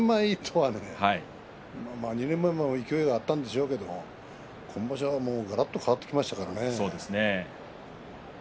２年前も勢いがあったんでしょうけれど今場所はがらっと変わってきましたからね。